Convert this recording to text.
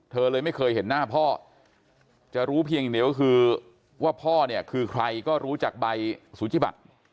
เธอเลยไม่เคยเห็นหน้าพ่อจะรู้เพียงเดี๋ยวคือว่าพ่อเนี่ยคือใครก็รู้จากใบสุจิบัติ